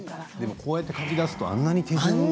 こうやって書き出すとあんなに。